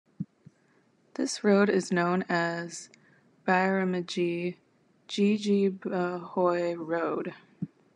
This road is known as Byramjee Jeejeebhoy Road.